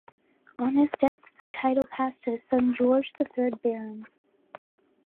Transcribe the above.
On his death the title passed to his son George, the third Baron.